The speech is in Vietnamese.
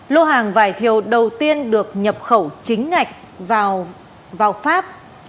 lô hàng vải thiều đầu tiên được nhập khẩu chính ngạch vào pháp